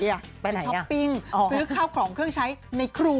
เป็นช้อปปิ้งซื้อข้าวของเครื่องใช้ในครู